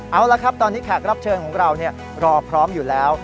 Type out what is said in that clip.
เอาละครับตอนนี้แขกรับเชิญของเรารอพร้อมอยู่แล้ว